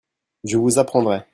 Je vous apprendrai.